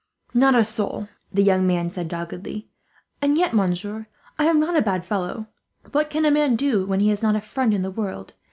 "Not a soul," the young man said doggedly; "and yet, monsieur, I am not a bad fellow. What can a man do, when he has not a friend in the world?